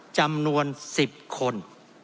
จำนวน๑๐คน